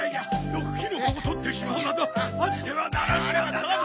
毒キノコをとってしまうなどあってはならんことだ！